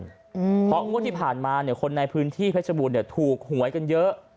เพราะงวดที่ผ่านมาเนี่ยคนในพื้นที่เพชรบูรณเนี่ยถูกหวยกันเยอะ